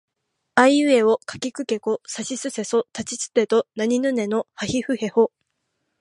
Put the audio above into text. あいうえおかきくけこさしすせそたちつてとなにぬねのはひふへほ